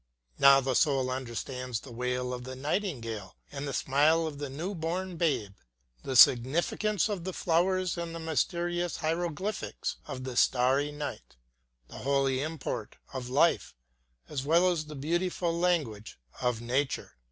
Now the soul understands the wail of the nightingale and the smile of the new born babe; the significance of the flowers and the mysterious hieroglyphics of the starry sky; the holy import of life as well as the beautiful language of Nature.